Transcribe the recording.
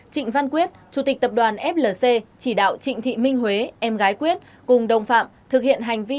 trịnh văn quyết chủ tịch tập đoàn flc chỉ đạo trịnh thị minh huế em gái quyết cùng đồng phạm thực hiện hành vi